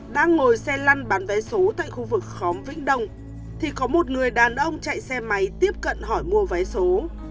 đang ngồi xe lăn bán vé số tại khu vực khóm vĩnh đông thì có một người đàn ông chạy xe máy tiếp cận hỏi mua vé số